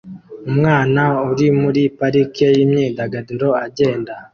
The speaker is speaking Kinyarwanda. Umwana uri muri parike yimyidagaduro agenda